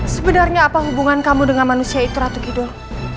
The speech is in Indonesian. sebenarnya apa hubungan kamu dengan manusia itu ratu kidul